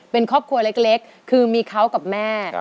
เป็นครอบครัวเล็กคือมีเขากับแม่